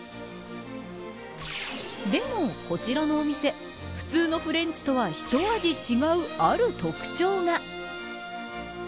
でも、こちらのお店普通のフレンチとはひと味違うある特徴が。